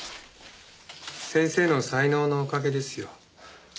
先生の才能のおかげですよ。